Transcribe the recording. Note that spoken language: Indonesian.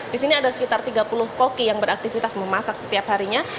di sini ada sekitar tiga puluh koki yang beraktivitas memasak setiap harinya